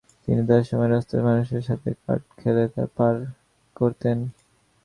তিনি তার সময় রাস্তার মানুষের সাথে কার্ড খেলে পার করতেন।